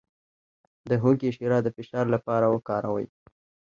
د هوږې شیره د فشار لپاره وکاروئ